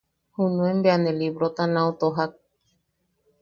Junuen bea ne librota nau tojak.